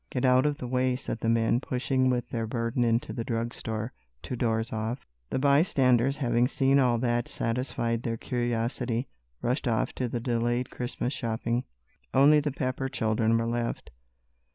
"Get out of the way!" said the men, pushing with their burden into the drug store, two doors off. The bystanders, having seen all that satisfied their curiosity, rushed off to the delayed Christmas shopping. Only the Pepper children were left.